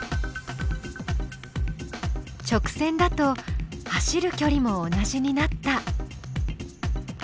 直線だと走るきょりも同じになった。